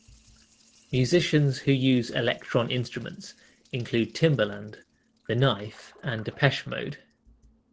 Musicians who use Elektron instruments include Timbaland, The Knife and Depeche Mode.